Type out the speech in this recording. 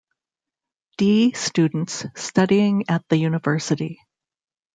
D. students studying at the university.